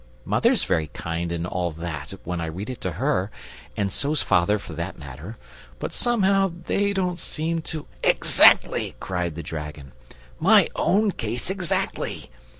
Mother's very kind and all that, when I read it to her, and so's father for that matter. But somehow they don't seem to " "Exactly," cried the dragon; "my own case exactly.